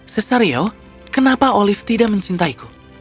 cesario kenapa olive tidak mencintaiku